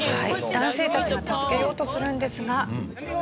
男性たちが助けようとするんですが。